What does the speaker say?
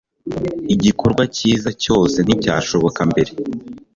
Igikorwa cyiza cyose nticyashoboka mbere.